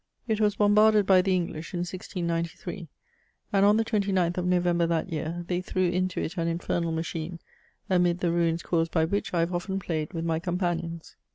It was bombarded by the English in 1693 ; and, on the 29th of No vember that year, they threw into it an infernal machine, amid the ruins caused by which I have often played with my com panions.